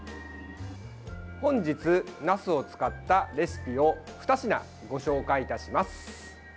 本日、なすを使ったレシピを２品ご紹介いたします。